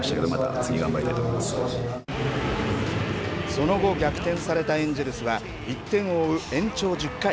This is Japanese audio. その後、逆転されたエンジェルスは、１点を追う延長１０回。